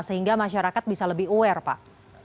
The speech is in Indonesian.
sehingga masyarakat bisa lebih aware pak